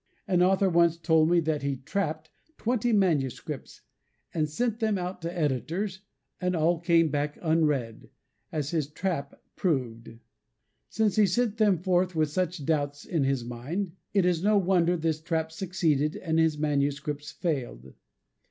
An author once told me that he "trapped" twenty manuscripts and sent them out to editors, and all came back unread, as his "trap" proved. Since he sent them forth with such doubts in his mind, it is no wonder his trap succeeded and his manuscripts failed.